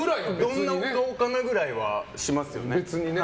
どんなお顔かなくらいはしますよね。